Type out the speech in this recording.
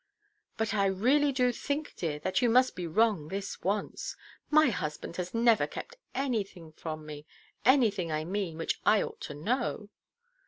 But I really do think, dear, that you must be wrong this once. My husband has never kept anything from me; anything, I mean, which I ought to know."